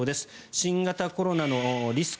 新型コロナのリスク